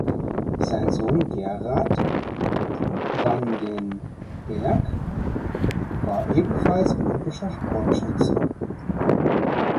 Sein Sohn Gerard van den Bergh war ebenfalls olympischer Sportschütze.